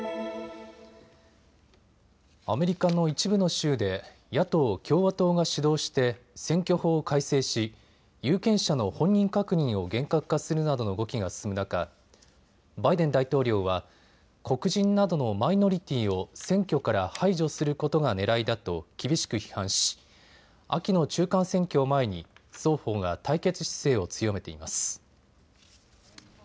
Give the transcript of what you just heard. アメリカの一部の州で野党共和党が主導して選挙法を改正し有権者の本人確認を厳格化するなどの動きが進む中、バイデン大統領は黒人などのマイノリティーを選挙から排除することがねらいだと厳しく批判し秋の中間選挙を前に双方が対決姿勢を強めています。